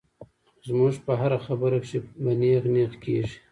خو زمونږ پۀ هره خبره کښې به نېغ نېغ کيږي -